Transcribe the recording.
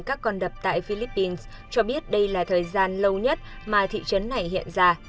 các con đập tại philippines cho biết đây là thời gian lâu nhất mà thị trấn này hiện ra